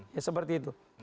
ya seperti itu